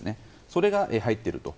それが入っていると。